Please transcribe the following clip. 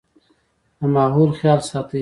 د ماحول خيال ساتئ